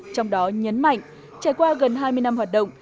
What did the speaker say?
trong đó nhấn mạnh trải qua gần hai mươi năm hoạt động